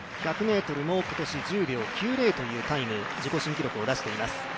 １００ｍも今年１０秒９０というタイム、自己新記録を出しています。